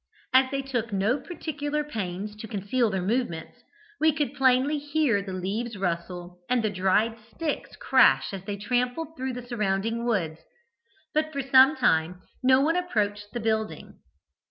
"As they took no particular pains to conceal their movements, we could plainly hear the leaves rustle, and the dried sticks crash as they tramped through the surrounding woods; but for some time no one approached the building.